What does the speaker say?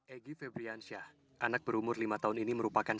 egy febriansyah anak berumur lima tahun ini merupakan